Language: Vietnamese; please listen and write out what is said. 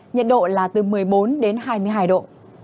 nhiệt độ là từ một mươi bốn đến hai mươi hai độ